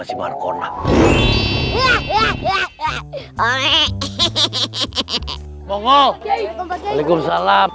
assalamualaikum pak cik